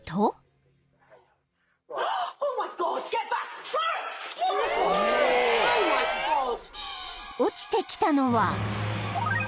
［落ちてきたのは愛犬の］